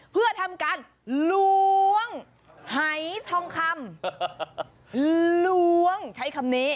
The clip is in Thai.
เพื่อทำการล้วงหายทองคำล้วงใช้คำนี้